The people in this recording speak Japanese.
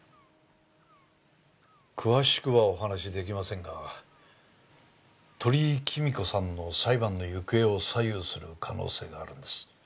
詳しくはお話し出来ませんが鳥居貴美子さんの裁判の行方を左右する可能性があるんです。